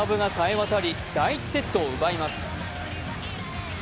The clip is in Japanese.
渡り第１セットを奪います。